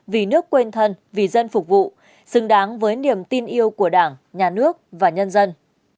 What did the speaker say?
vì nước quên thân vì dân phục vụ xứng đáng với niềm tin yêu của đảng nhà nước và nhân dân